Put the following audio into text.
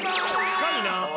深いな。